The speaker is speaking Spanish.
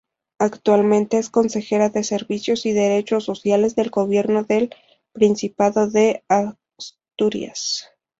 Actualmente es consejera de Servicios y Derechos Sociales del Gobierno del Principado de Asturias.